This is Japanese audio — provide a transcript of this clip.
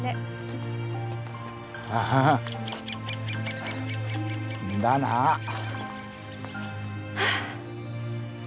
ああんだなあ。